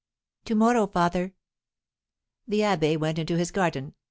"To morrow, father." The abbé went into his garden.